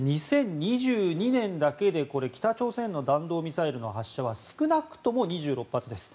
２０２２年だけで北朝鮮の弾道ミサイルの発射は少なくとも２６発です。